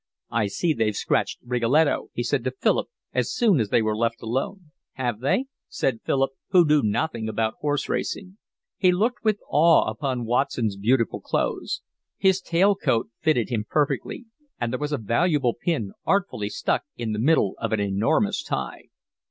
"I see they've scratched Rigoletto," he said to Philip, as soon as they were left alone. "Have they?" said Philip, who knew nothing about horse racing. He looked with awe upon Watson's beautiful clothes. His tail coat fitted him perfectly, and there was a valuable pin artfully stuck in the middle of an enormous tie.